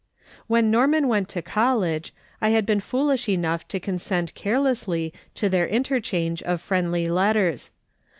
When Norman went to college, I had been foolish enough to consent carelessly to their interchange of friendly letters.